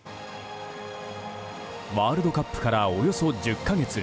ワールドカップからおよそ１０か月。